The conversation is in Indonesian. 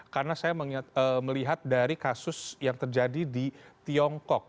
karena saya melihat dari kasus yang terjadi di tiongkok